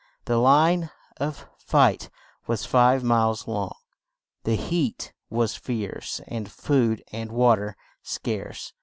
The line of fight was five miles long; the heat was fierce; and food and wa ter scarce.